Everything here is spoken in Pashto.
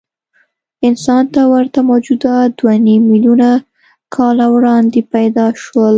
انسان ته ورته موجودات دوهنیم میلیونه کاله وړاندې پیدا شول.